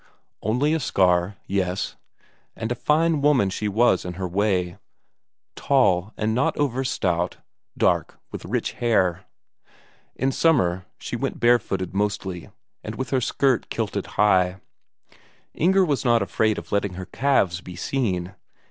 Only a scar, yes. And a fine woman she was in her way, tall and not over stout, dark, with rich hair; in summer she went barefooted mostly, and with her skirt kilted high; Inger was not afraid of letting her calves be seen.